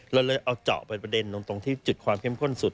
เราเลยเอาเจาะไปประเด็นตรงที่จุดความเข้มข้นสุด